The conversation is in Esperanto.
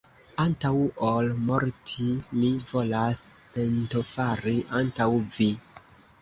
antaŭ ol morti, mi volas pentofari antaŭ vi!